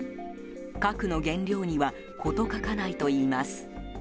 核の原料には事欠かないといいます。